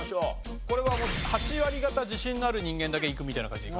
これはもう８割方自信のある人間だけいくみたいな感じで。